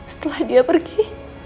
setelah dia pergi